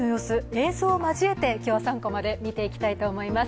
映像を交えて、今日は３コマで見ていきたいと思います。